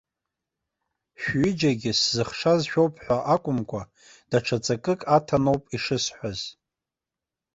Шәҩыџьегьы сзыхшаз шәоуп ҳәа акәымкәа, даҽа ҵакык аҭаноуп ишысҳәаз.